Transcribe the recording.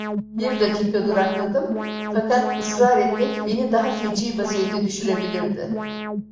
Bir dakika durakladım, fakat ısrar etmek beni daha feci vaziyete düşürebilirdi.